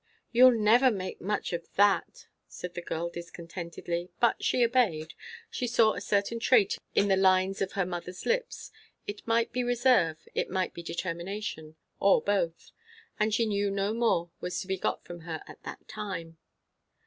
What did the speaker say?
"You'll never make much of that," said the girl discontentedly. But she obeyed. She saw a certain trait in the lines of her mother's lips; it might be reserve, it might be determination, or both; and she knew no more was to be got from her at that time.